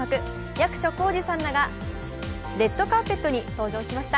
役所広司さんらがレッドカーペットに登場しました。